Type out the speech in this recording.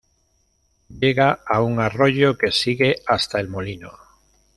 Llega a un arroyo, que sigue hasta el molino.